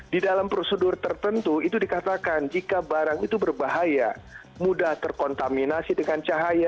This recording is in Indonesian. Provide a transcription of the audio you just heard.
di dalam prosedur tertentu itu dikatakan jika barang itu berbahaya mudah terkontaminasi dengan cahaya